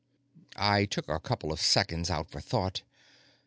I took a couple of seconds out for thought.